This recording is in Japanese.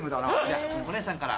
お姉さんから。